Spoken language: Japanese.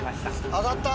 あがった！